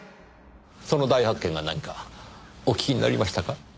その大発見が何かお聞きになりましたか？